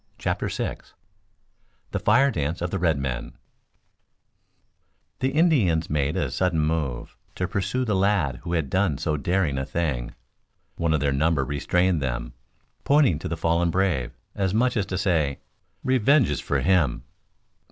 CHAPTER VI THE FIRE DANCE OF THE RED MEN The Indians made a sudden move to pursue the lad who had done so daring a thing. One of their number restrained them, pointing to the fallen brave, as much as to say, "Revenge is for him!"